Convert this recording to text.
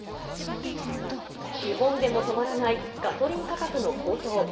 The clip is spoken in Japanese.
日本でも止まらないガソリン価格の高騰。